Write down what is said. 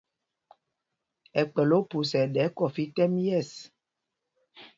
Ɛ kpɛl Ophusa ɛɗɛ kɔfí tɛ́m yɛ̂ɛs.